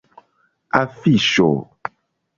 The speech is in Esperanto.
afiŝo